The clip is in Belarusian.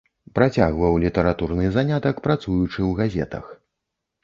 Працягваў літаратурны занятак, працуючы ў газетах.